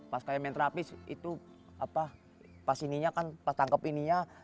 pas kayak main terapis itu apa pas ininya kan pas tangkep ininya